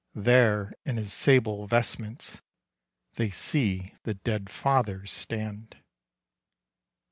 There in his sable vestments They see the dead father stand.